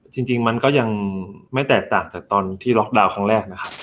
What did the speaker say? จริงมันก็ยังไม่แตกต่างจากตอนที่ล็อกดาวน์ครั้งแรกนะครับ